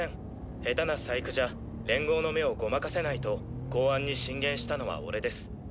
下手な細工じゃ連合の目をごまかせないと公安に進言したのは俺です。